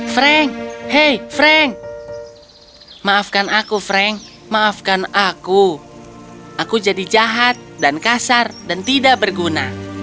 frank hei frank maafkan aku frank maafkan aku aku jadi jahat dan kasar dan tidak berguna